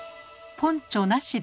ポンチョなしで。